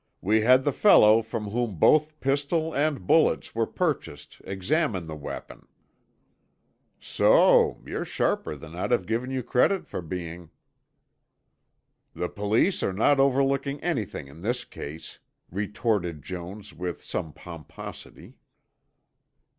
We had the fellow from whom both pistol and bullets were purchased examine the weapon." "So. You're sharper than I'd have given you credit for being." "The police are not overlooking anything in this case," retorted Jones with some pomposity.